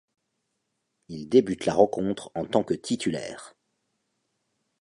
Il débute la rencontre en tant que titulaire.